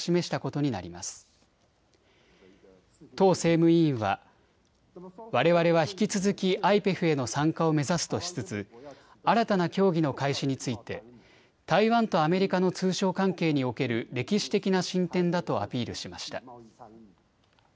とう政務委員はわれわれは引き続きＩＰＥＦへの参加を目指すとしつつ新たな協議の開始について台湾とアメリカの通商関係における歴史的な進展だとアピールしました。